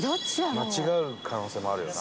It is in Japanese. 間違う可能性もあるよな。